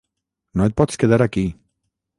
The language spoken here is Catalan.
No et pots quedar aquí.